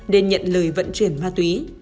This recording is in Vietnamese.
nên nhận lời vận chuyển ma túy